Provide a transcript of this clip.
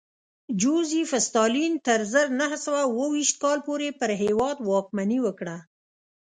جوزېف ستالین تر زر نه سوه اوه ویشت کال پورې پر هېواد واکمني وکړه